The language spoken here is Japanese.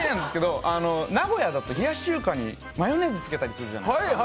名古屋だと冷やし中華にマヨネーズつけたりするじゃないですか。